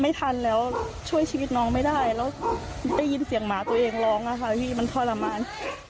ไม่ทันแล้วช่วยชีวิตน้องไม่ได้แล้วได้ยินเสียงหมาตัวเองร้องอะค่ะพี่มันทรมาน